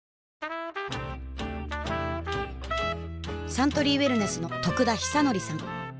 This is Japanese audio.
サントリーウエルネスの得田久敬さん